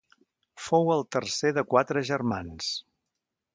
Fou el tercer de quatre germans.